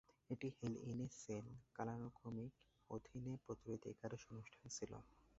এটি hell in a cell কালানুক্রমিকের অধীনে প্রচারিত একাদশ অনুষ্ঠান ছিল।